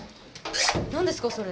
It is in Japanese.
何ですかそれ。